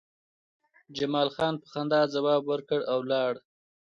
جمال خان په خندا ځواب ورکړ او لاړ